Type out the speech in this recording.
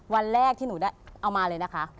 วันแรกที่หนูได้เอามาเลยนะคะ